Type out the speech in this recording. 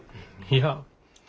いや。